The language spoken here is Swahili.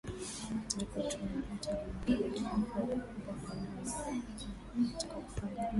na kutuambia changamoto za kiafya ni kubwa na la awali ambalo anataka kufanya